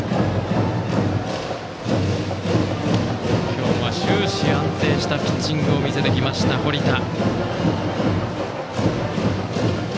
今日は終始安定したピッチングを見せてきました堀田。